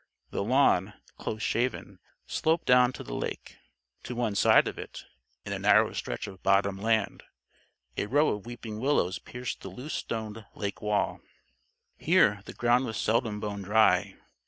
The lawn, close shaven, sloped down to the lake. To one side of it, in a narrow stretch of bottom land, a row of weeping willows pierced the loose stone lake wall. Here, the ground was seldom bone dry.